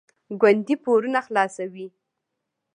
ګوندې پورونه خلاصوي.